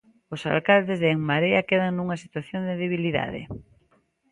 Os alcaldes de En Marea quedan nunha situación de debilidade.